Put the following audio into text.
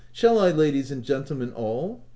shall I, ladies and gentlemen— all ?